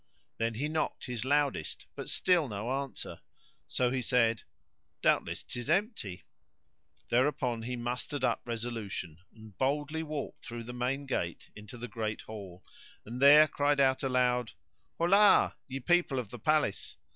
Then he knocked his loudest but still no answer, so he said, "Doubtless 'tis empty." Thereupon he mustered up resolution and boldly walked through the main gate into the great hall and there cried out aloud, "Holla, ye people of the palace!